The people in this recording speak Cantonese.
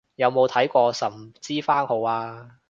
有冇睇過神之番號啊